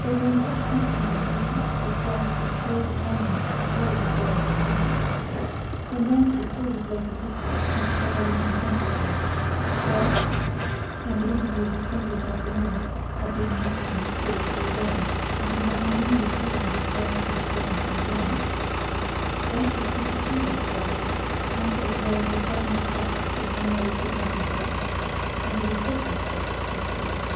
They were in such deep conversation that Bryce was close upon them before they observed his presence. When Ransford saw his late assistant, he scowled unconsciously Bryce, and the interview of the previous afternoon, had been much in his thoughts all day, and he had an uneasy feeling that Bryce was playing some game. Bryce was quick to see that scowl and to observe the sudden start which Mary could not repress and he was just as quick to speak.